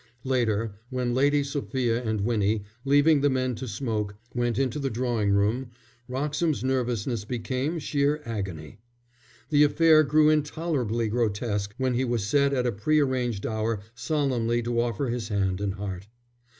Later, when Lady Sophia and Winnie, leaving the men to smoke, went into the drawing room, Wroxham's nervousness became sheer agony. The affair grew intolerably grotesque when he was set at a pre arranged hour solemnly to offer his hand and heart.